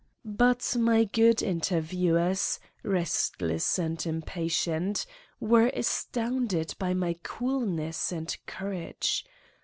But my good interviewers, restless and impa tient, were astounded by my coolness and cour age.